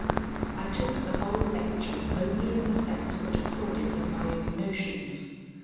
I took the whole lecture only in the sense that accorded with my own notions.